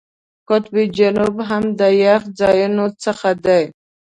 قطب جنوب هم د یخ ځایونو څخه دی.